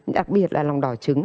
đặc biệt là lòng đỏ trứng